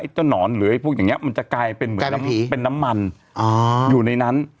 หนอนหรือไอ้พวกอย่างนี้มันจะกลายเป็นเหมือนเป็นน้ำมันอยู่ในนั้น